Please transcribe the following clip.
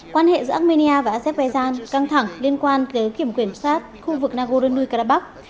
quan hệ giữa armenia và azerbaijan căng thẳng liên quan tới kiểm quyền sát khu vực nagorno karabakh